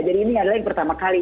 jadi ini adalah yang pertama kali